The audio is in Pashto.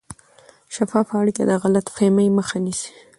شفافه اړیکه د غلط فهمۍ مخه نیسي.